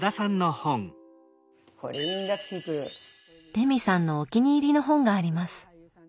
レミさんのお気に入りの本があります。